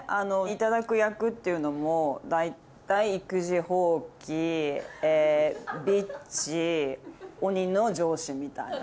頂く役っていうのも大体育児放棄ビッチ鬼の上司みたいな。